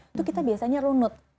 itu kita biasanya runut